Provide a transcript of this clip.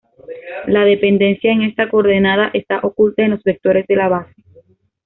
La dependencia en esta coordenada está "oculta" en los vectores de la base.